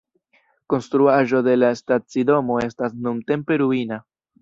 Konstruaĵo de la stacidomo estas nuntempe ruina.